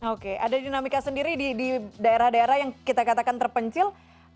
oke ada dinamika sendiri di daerah daerah yang kita katakan terpencil